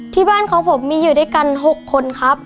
ที่บ้านของผมมีอยู่ด้วยกัน๖คนครับ